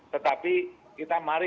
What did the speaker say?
tetapi kita mari